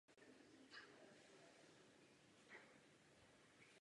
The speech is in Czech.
Je to průmysl, který chce prodat více výrobků?